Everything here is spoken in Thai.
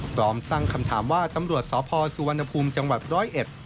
ตรอมตั้งคำถามว่าตำรวจสสุวรรณภูมิจังหวัด๑๐๑